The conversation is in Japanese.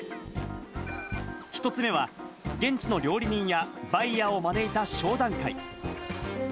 １つ目は現地の料理人やバイヤーを招いた商談会。